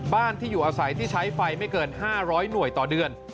บ้านที่อยู่อาศัยที่ใช้ไฟไม่เกิน๕๐๐หน่วยต่อเดือน